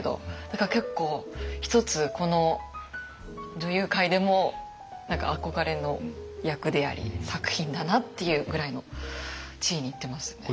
だから結構一つこの女優界でも何か憧れの役であり作品だなっていうぐらいの地位にいってますよね。